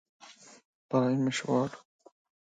Main dishes may include Country Captain.